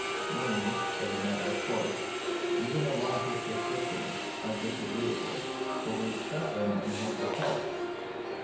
Many, as a matter of course, even among his prescriptions, are disagreeable, but we accept them in hope of health.